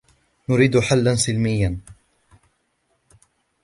نريد حلاً سلمياً.